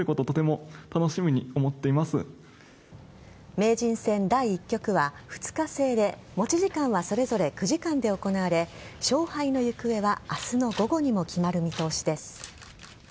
名人戦第１局は２日制で持ち時間はそれぞれ９時間で行われ勝敗の行方は明日の午後にも決まる見通しです。